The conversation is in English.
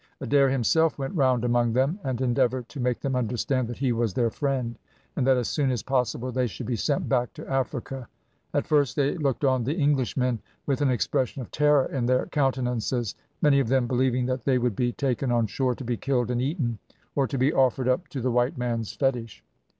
Adair himself went round among them, and endeavoured to make them understand that he was their friend, and that as soon as possible they should be sent back to Africa. At first they looked on the Englishmen with an expression of terror in their countenances, many of them believing that they would be taken on shore to be killed and eaten, or to be offered up to the white man's Fetish.